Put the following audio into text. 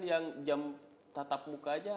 yang jam tatap mukanya